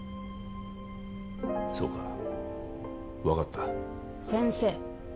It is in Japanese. そうか分かった先生！